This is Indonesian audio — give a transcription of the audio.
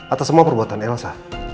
atas semua perbuatan elsa